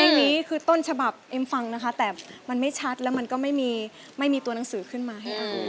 อย่างนี้คือต้นฉบับเอ็มฟังนะคะแต่มันไม่ชัดแล้วมันก็ไม่มีไม่มีตัวหนังสือขึ้นมาให้อ่าน